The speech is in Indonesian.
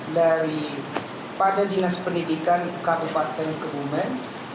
dari pada dinas pendidikan kabupaten kebumen